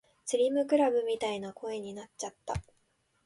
スリムクラブみたいな声になっちゃった